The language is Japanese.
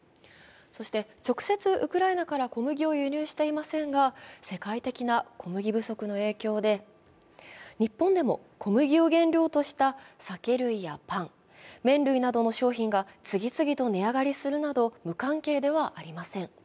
そして直接ウクライナから小麦を輸入していませんが世界的な小麦不足の影響で、日本でも小麦を原料とした酒類やパン、麺類などの商品が次々と値上がりするなど無関係ではありません。